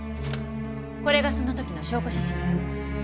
これがそのときの証拠写真です。